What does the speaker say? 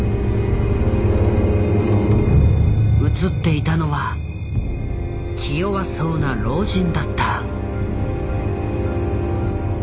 写っていたのは気弱そうな老人だった。